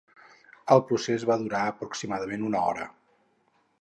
El procés va durar aproximadament una hora.